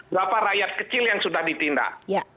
berapa rakyat kecil yang sudah ditindak